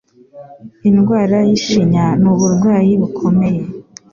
Indwara y'ishinya ni uburwayi bukomeye